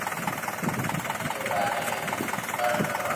پسي او راجا ايڪ دن ݾڪار ڪروا